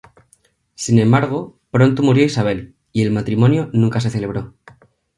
Sin embargo, pronto murió Isabel, y el matrimonio nunca se celebró.